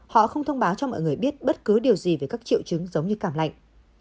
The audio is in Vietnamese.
họ không thông báo cho mọi người biết bất cứ điều gì về các triệu chứng giống như cảm lạnh